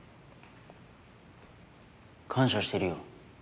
感謝してるよ。